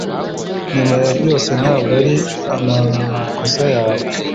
Nyuma ya byose ntabwo ari amakosa yawe